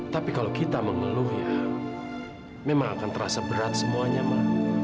tapi kalau kita mengeluh ya memang akan terasa berat semuanya ma